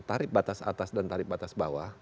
tarif batas atas dan tarif batas bawah